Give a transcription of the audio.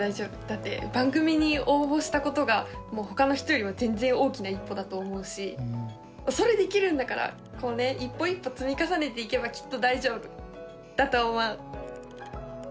だって番組に応募したことがもう他の人よりも全然大きな一歩だと思うしそれできるんだから一歩一歩積み重ねていけばきっと大丈夫だと思う。